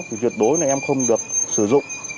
thì tuyệt đối là em không được sử dụng